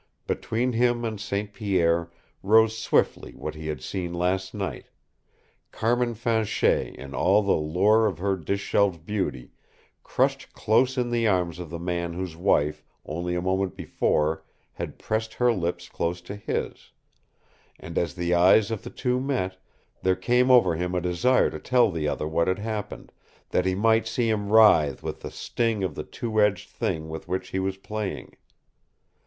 Between him and St. Pierre rose swiftly what he had seen last night Carmin Fanchet in all the lure of her disheveled beauty, crushed close in the arms of the man whose wife only a moment before had pressed her lips close to his; and as the eyes of the two met, there came over him a desire to tell the other what had happened, that he might see him writhe with the sting of the two edged thing with which he was playing.